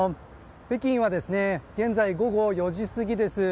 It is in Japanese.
北京は現在午後４時過ぎです。